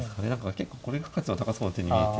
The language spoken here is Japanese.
結構これが価値が高そうな手に見えて。